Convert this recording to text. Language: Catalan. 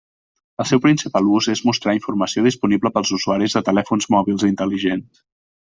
El seu principal ús és mostrar informació disponible pels usuaris de telèfons mòbils intel·ligents.